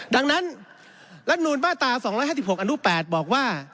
ดังนั้นรัฐมนูลมาตรา๒๕๖อนุ๘บอกว่า